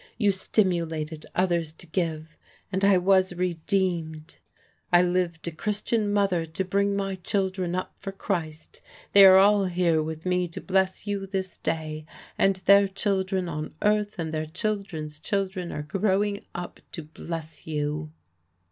You stimulated others to give, and I was redeemed. I lived a Christian mother to bring my children up for Christ they are all here with me to bless you this day, and their children on earth, and their children's children are growing up to bless you."